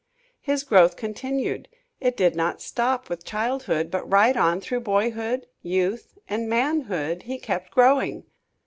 His growth continued. It did not stop with childhood, but right on through boyhood, youth and manhood he kept growing.